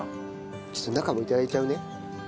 ちょっと中も頂いちゃうね。